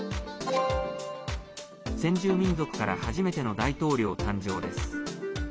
先住民族から初めての大統領誕生です。